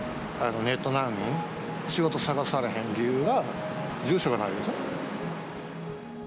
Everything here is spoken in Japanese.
ネット難民、仕事探されへん理由は、住所がないでしょ。